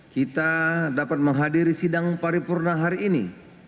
kita dapat menghadiri sidang paripurna hari ini